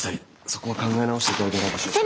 そこは考え直していただけないでしょうか。